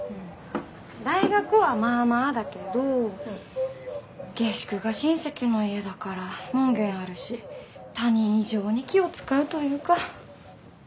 大学はまあまあだけど下宿が親戚の家だから門限あるし他人以上に気を遣うというか。